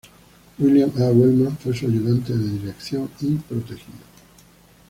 William A. Wellman fue su ayudante de Dirección y protegido.